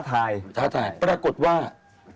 พระราชสมภาษาสำหรับมัน